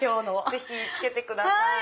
ぜひ着けてください。